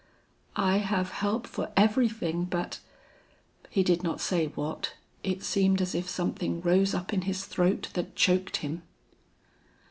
"I have help for everything but " He did not say what, it seemed as if something rose up in his throat that choked him.